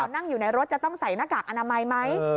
นั่งอยู่ในรถจะต้องใส่หน้ากากอนามัยไหม